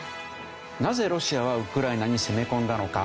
なぜロシアはウクライナに攻め込んだのか